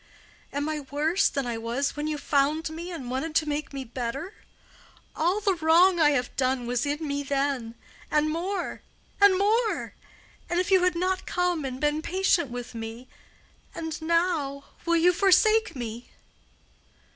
Am I worse than I was when you found me and wanted to make me better? All the wrong I have done was in me then—and more—and more—if you had not come and been patient with me. And now—will you forsake me?"